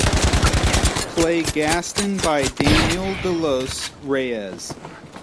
Play Gaston by Daniel De Los Reyes.